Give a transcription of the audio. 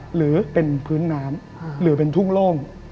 หรือเป็นพื้นน้ำหรือเป็นทุ่งโล่ง